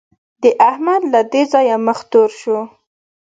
د احمد له دې ځايه مخ تور شو.